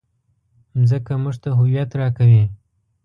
مځکه موږ ته هویت راکوي.